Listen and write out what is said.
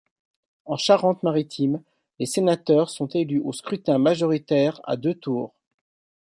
En Charente-Maritime, les sénateurs sont élus au scrutin majoritaire à deux tours.